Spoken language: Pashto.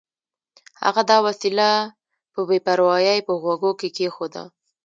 هغه دا وسیله په بې پروایۍ په غوږو کې کېښوده